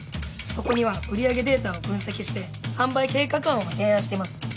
そこには売り上げデータを分析して販売計画案を提案しています。